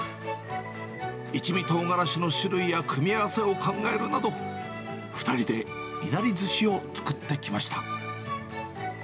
一味とうがらしの種類や組み合わせを考えるなど、２人でいなりずしを作ってきました。